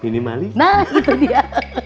nah gitu dia